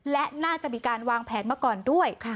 และน่าจะมีการวางแผนมาก่อนด้วย